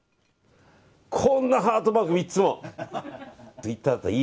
こんなハートマーク３つも。